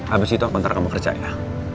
abis itu aku ntar kembal kerja ya